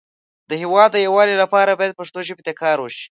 د هیواد د یو والی لپاره باید پښتو ژبې ته کار وشی